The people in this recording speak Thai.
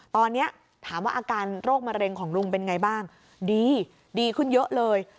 ตอนนี้ถามว่าอาการโรคมะเร็งของลุงเป็นไงบ้างดีดีขึ้นเยอะเลย